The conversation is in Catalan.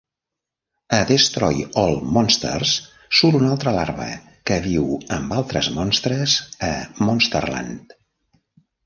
A Destroy All Monsters surt una altra larva, que viu amb altres monstres a Monsterland.